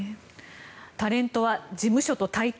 タレントは事務所と対等。